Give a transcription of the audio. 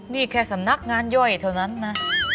นี่แค่สำนักงานย่อยเท่านั้นนะ